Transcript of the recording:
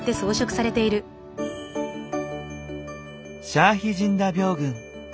シャーヒジンダ廟群。